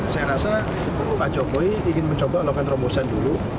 saya rasa pak jokowi ingin mencoba melakukan terobosan dulu